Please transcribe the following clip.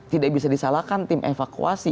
tidak bisa disalahkan tim evakuasi